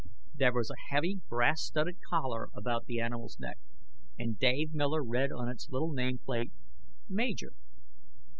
There was a heavy, brass studded collar about the animal's neck, and Dave Miller read on its little nameplate: "Major."